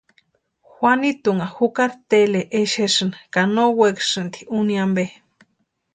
Juanitunha jukari Tele exesïnti ka no wekasïnti úni ampe.